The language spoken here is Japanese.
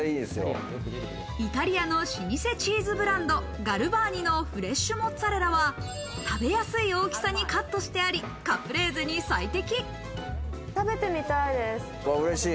イタリアの老舗チーズブランド、ガルバーニのフレッシュモッツァレラは食べやすい大きさにカットしてあり、カプレーゼに最適。